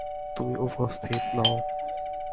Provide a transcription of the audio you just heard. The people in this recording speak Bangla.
তুমি উপযুক্ত নও।